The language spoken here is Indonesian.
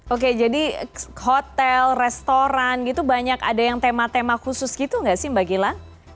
oke jadi hotel restoran gitu banyak ada yang tema tema khusus gitu nggak sih mbak gila